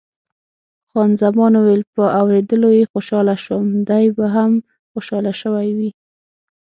خان زمان وویل، په اورېدلو یې خوشاله شوم، دی به هم خوشاله شوی وي.